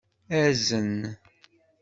Azen.